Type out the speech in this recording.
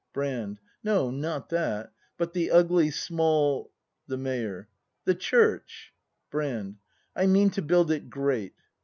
Brand. No, not that; — but the ugly, small The Mayor. The Church ? Brand. I mean to build it great.